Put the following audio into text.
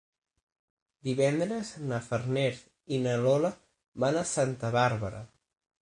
Divendres na Farners i na Lola van a Santa Bàrbara.